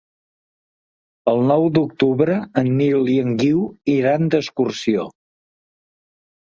El nou d'octubre en Nil i en Guiu iran d'excursió.